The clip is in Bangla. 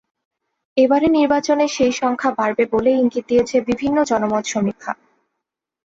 এবারের নির্বাচনে সেই সংখ্যা বাড়বে বলেই ইঙ্গিত দিয়েছে বিভিন্ন জনমত সমীক্ষা।